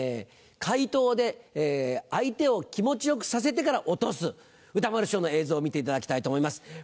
回答で相手を気持ち良くさせてから落とす歌丸師匠の映像を見ていただきたいと思います。